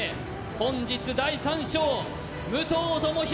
本日第３章武藤智広